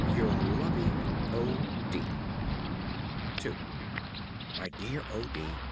Your loving, O. D. II _My Dear O. D.